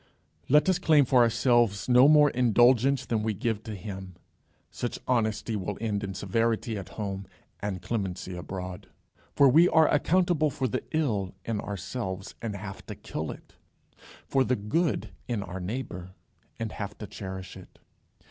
Let us claim for ourselves no more indulgence than we give to him. Such honesty will end in severity at home and clemency abroad. For we are accountable for the ill in ourselves, and have to kill it; for the good in our neighbour, and have to cherish it.